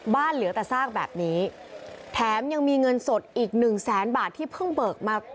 เหลือแต่ซากแบบนี้แถมยังมีเงินสดอีกหนึ่งแสนบาทที่เพิ่งเบิกมา